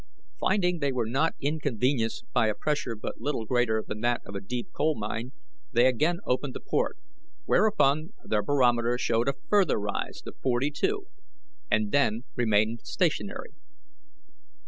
Finding they were not inconvenienced by a pressure but little greater than that of a deep coal mine, they again opened the port, whereupon their barometer showed a further rise to forty two, and then remained stationary.